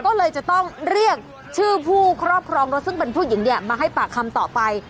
ก็เลยจะต้องเรียกชื่อผู้ครอบครองรถซึ่งเป็นผู้หญิงเนี่ยมาให้ปากคำต่อไป